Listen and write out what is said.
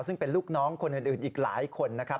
ซึ่งเป็นลูกน้องคนอื่นอีกหลายคนนะครับ